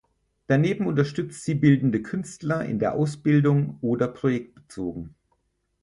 Daneben unterstützt sie bildende Künstler in der Ausbildung oder projektbezogen.